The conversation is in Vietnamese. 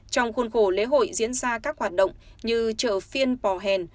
trong khuôn khổ lễ hội diễn ra các hoạt động như chợ phiên pò hèn